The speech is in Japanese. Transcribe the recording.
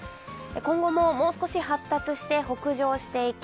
今後ももう少し発達して北上していき